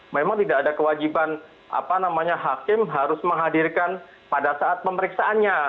memang tidak ada kewajiban apa namanya hakim harus menghadirkan pada saat pemeriksaannya